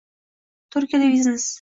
Turkiyada biznes